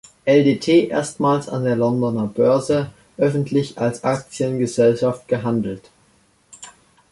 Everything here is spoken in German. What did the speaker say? Ltd" erstmals an der Londoner Börse öffentlich als Aktiengesellschaft gehandelt.